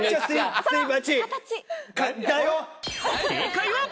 正解は。